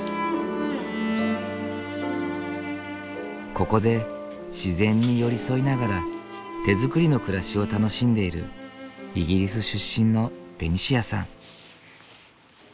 ここで自然に寄り添いながら手づくりの暮らしを楽しんでいるイギリス出身のベニシアさん。